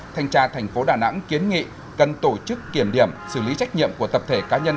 thanh tra thành phố đà nẵng kiến nghị cần tổ chức kiểm điểm xử lý trách nhiệm của tập thể cá nhân